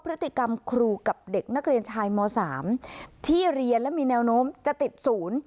พฤติกรรมครูกับเด็กนักเรียนชายม๓ที่เรียนและมีแนวโน้มจะติดศูนย์